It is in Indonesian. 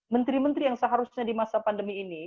menteri menteri yang seharusnya di masa pandemi ini